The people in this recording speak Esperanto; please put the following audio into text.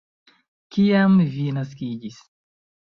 Kiam vi naskiĝis?